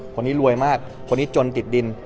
คนนี้รวยมากคนนี้จนติดดิน